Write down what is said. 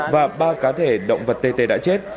và ba cá thể động vật tê tê đã chết